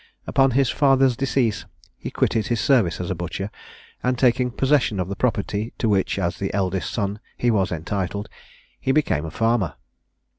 Upon his father's decease, he quitted his service as a butcher, and taking possession of the property, to which, as the eldest son, he was entitled, he became a farmer.